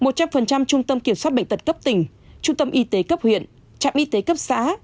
một trăm linh trung tâm kiểm soát bệnh tật cấp tỉnh trung tâm y tế cấp huyện trạm y tế cấp xã